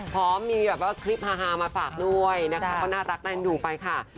พร้อมมีแบบว่าคลิปฮามาฝากด้วยนะคะก็น่ารักน่าเอ็นดูไปค่ะ